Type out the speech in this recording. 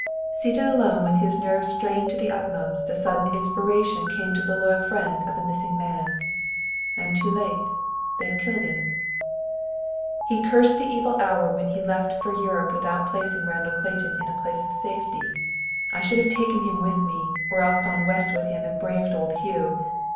Seated alone, with his nerves strained to the utmost, a sudden inspiration came to the loyal friend of the missing man. "I am too late. They have killed him!" He cursed the evil hour when he left for Europe without placing Randall Clayton in a place of safety. "I should have taken him with me, or else gone West with him and braved old Hugh.